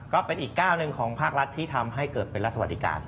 ก็เป็นอีกก้าวหนึ่งของภาครัฐที่ทำให้เกิดเป็นรัฐสวัสดิการ